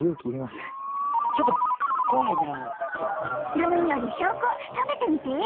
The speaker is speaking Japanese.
論より証拠食べてみて！